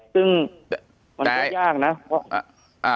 ซึ่งมันก็ยากนะว่า